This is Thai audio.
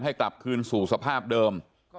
ให้กลับคืนสู่สภาพเดิม